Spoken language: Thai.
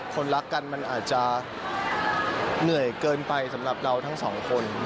คนรักกันมันอาจจะเหนื่อยเกินไปสำหรับเราทั้งสองคน